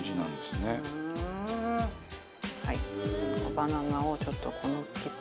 バナナをちょっとのっけて。